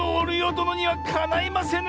どのにはかないませぬ！